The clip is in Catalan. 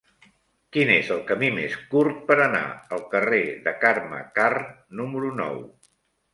Quin és el camí més curt per anar al carrer de Carme Karr número nou?